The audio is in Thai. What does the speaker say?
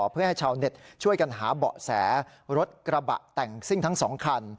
เพื่อให้ชาวเน็ตช่วยกันหาเบาะแสรถกระบะแต่งซิ่งทั้ง๒คัน